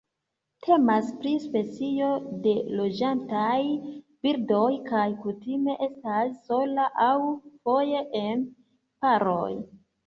Temas pri specio de loĝantaj birdoj kaj kutime estas sola aŭ foje en paroj.